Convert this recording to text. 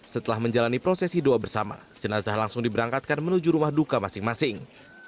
setelah menjalani prosesi doa bersama jenazah langsung diberangkatkan menuju rumah duka masing masing